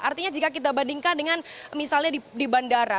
artinya jika kita bandingkan dengan misalnya di bandara